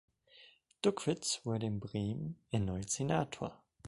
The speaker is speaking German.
Duckwitz wurde in Bremen erneut Senator.